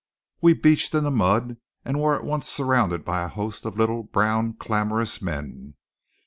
We beached in the mud, and were at once surrounded by a host of little, brown, clamorous men.